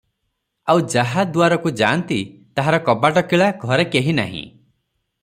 ଆଉ ଯାହା ଦୁଆରକୁ ଯା'ନ୍ତି, ତାହାର କବାଟ କିଳା, ଘରେ କେହି ନାହିଁ ।